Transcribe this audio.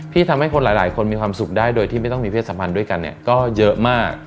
ที่ทำให้คนหลายคนมีความสุขได้โดยที่ไม่ต้องมีเพศสัมพันธ์ด้วยกันเนี่ยก็เยอะมาก